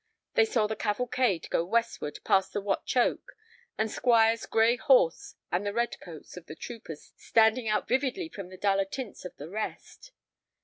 They saw the cavalcade go westward past the Watch Oak, the Squire's gray horse and the red coats of the troopers standing out vividly from the duller tints of the rest.